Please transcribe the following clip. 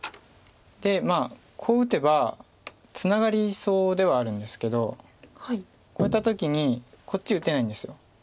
でまあこう打てばツナがりそうではあるんですけどこうやった時にこっち打てないんです。